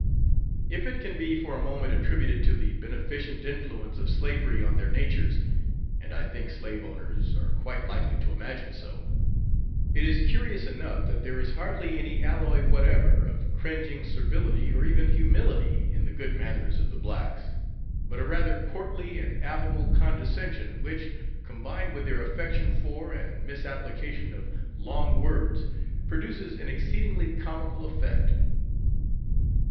If it can be for a moment attributed to the beneficent influence of slavery on their natures (and I think slaveowners are quite likely to imagine so), it is curious enough that there is hardly any alloy whatever of cringing servility, or even humility, in the good manners of the blacks, but a rather courtly and affable condescension which, combined with their affection for, and misapplication of, long words, produces an exceedingly comical effect.